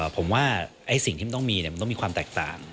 ผมว่าสิ่งที่มันต้องมีมันต้องมีความแตกต่าง